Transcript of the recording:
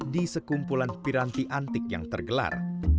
di sekumpulan piranti antik yang tergelar